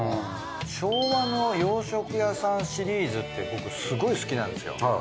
昭和の洋食屋さんシリーズって僕すごい好きなんですよ。